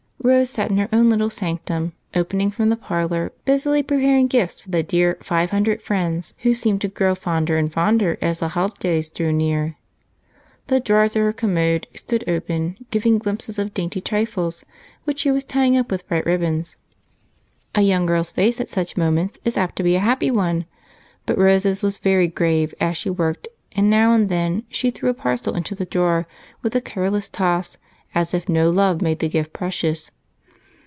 Rose sat in her own little sanctum, opening from the parlor, busily preparing gifts for the dear five hundred friends who seemed to grow fonder and fonder as the holidays drew near. The drawers of her commode stood open, giving glimpses of dainty trifles, which she was tying up with bright ribbons. A young girl's face at such moments is apt to be a happy one, but Rose's was very grave as she worked, and now and then she threw a parcel into the drawer with a careless toss, as if no love made the gift precious.